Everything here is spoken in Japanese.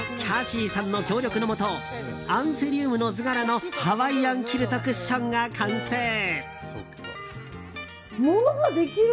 キャシーさんの協力のもとアンセリウムの図柄のハワイアンキルトクッションが完成。